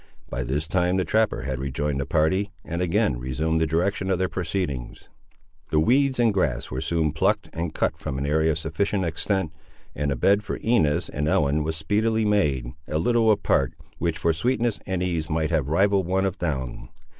By this time the trapper had rejoined the party, and again resumed the direction of their proceedings. The weeds and grass were soon plucked and cut from an area of sufficient extent, and a bed for Inez and Ellen was speedily made, a little apart, which for sweetness and ease might have rivalled one of down.